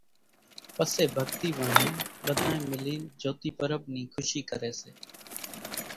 پسي ڀڳتي وانھين ٻڌانئين ملين جھوتي پرٻ نِي کُشي ڪري سي